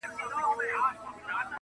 موږكانو ته ډبري كله سوال دئ٫